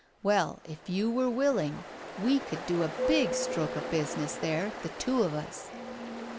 Well, if you were willing, we could do a big stroke of business there, the two of us."